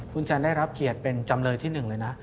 คุณแซนได้รับเกียรติเป็นจำเลยที่๑เลยนะ